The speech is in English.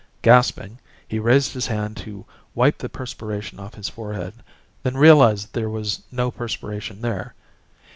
Gasping, he raised his hand to wipe the perspiration off his forehead, then realized there was no perspiration there.